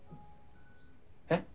えっ？